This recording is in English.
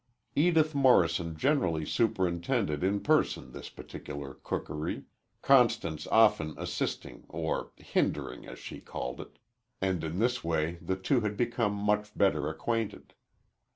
Edith Morrison generally superintended in person this particular cookery, Constance often assisting or "hindering," as she called it and in this way the two had become much better acquainted.